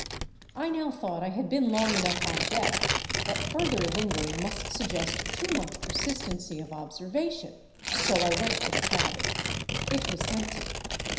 I now thouQ^ht I had been lonQf enouofh on deck, that further lingering must suggest too much persistency of observation ; so I went to the cabin. It was em.pty.